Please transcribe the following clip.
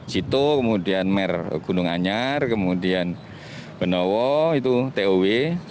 situ kemudian mer gunung anyar kemudian benowo itu tow